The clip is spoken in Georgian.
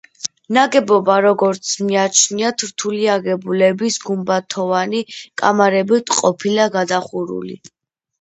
ნაგებობა, როგორც მიაჩნიათ რთული აგებულების გუმბათოვანი კამარებით ყოფილა გადახურული.